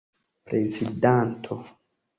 prezidanto